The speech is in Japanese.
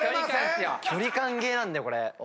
距離感ゲーなんだよこれ。